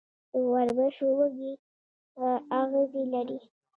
د وربشو وږی اغزي لري.